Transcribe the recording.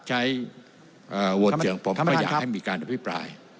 ใช้เอ่อโหวตเสียงผมท่านประธานครับก็อยากให้มีการอภิปราย